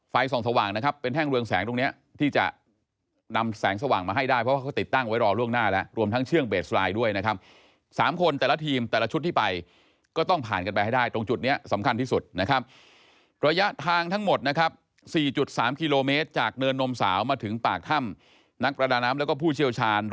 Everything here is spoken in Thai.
ส่องสว่างนะครับเป็นแท่งเรืองแสงตรงเนี้ยที่จะนำแสงสว่างมาให้ได้เพราะว่าเขาติดตั้งไว้รอล่วงหน้าแล้วรวมทั้งเชื่องเบสไลน์ด้วยนะครับสามคนแต่ละทีมแต่ละชุดที่ไปก็ต้องผ่านกันไปให้ได้ตรงจุดนี้สำคัญที่สุดนะครับระยะทางทั้งหมดนะครับ๔๓กิโลเมตรจากเนินนมสาวมาถึงปากถ้ำนักประดาน้ำแล้วก็ผู้เชี่ยวชาญ